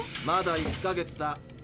まだ１か月だ。